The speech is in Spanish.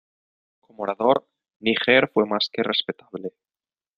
Como orador, Níger fue más que respetable.